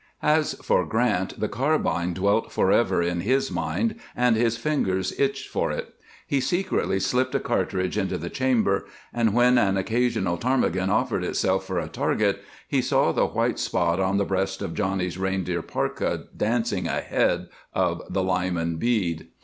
As for Grant, the carbine dwelt forever in his mind, and his fingers itched for it. He secretly slipped a cartridge into the chamber, and when an occasional ptarmigan offered itself for a target he saw the white spot on the breast of Johnny's reindeer parka, dancing ahead of the Lyman bead.